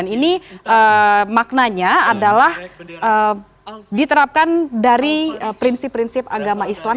ini maknanya adalah diterapkan dari prinsip prinsip agama islam